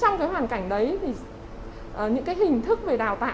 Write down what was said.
trong hoàn cảnh đấy những hình thức về đào tạo